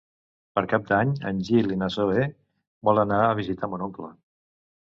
Per Cap d'Any en Gil i na Zoè volen anar a visitar mon oncle.